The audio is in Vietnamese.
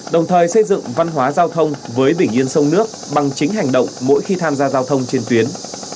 đồng thời xây dựng văn hóa giao thông với đỉnh yên sông nước bằng chính hành động mỗi khi tham gia giao thông trên tuyến